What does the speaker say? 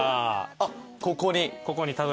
あっここに。